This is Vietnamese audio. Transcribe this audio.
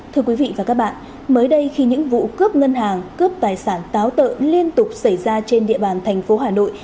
thưa quý vị và các bạn mới đây khi những vụ cướp ngân hàng cướp tài sản táo tợ liên tục xảy ra trên địa bàn thành phố hà nội